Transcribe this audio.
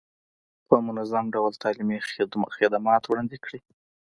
په منظم ډول تعلیمي خدمات وړاندې کړي.